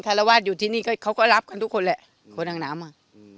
รวาสอยู่ที่นี่ก็เขาก็รับกันทุกคนแหละคนอังน้ำอ่ะ